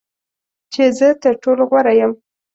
چې زه تر ټولو غوره یم .